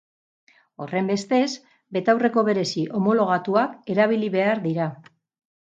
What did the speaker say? Horrenbestez, betaurreko berezi homologatuak erabili behar dira.